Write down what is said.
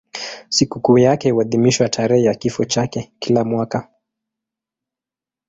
Sikukuu yake huadhimishwa tarehe ya kifo chake kila mwaka.